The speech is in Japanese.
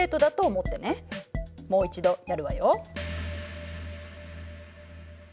もう一度やるわよ。